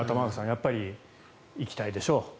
やっぱり行きたいでしょう。